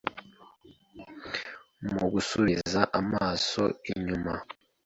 Mu gusubiza amaso inyuma